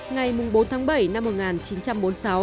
ngày bốn tháng bảy năm một nghìn chín trăm bốn mươi sáu